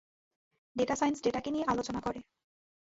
Data science ডেটাকে নিয়ে আলোচনা করে।